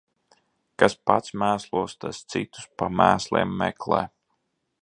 Kas pats mēslos, tas citus pa mēsliem meklē.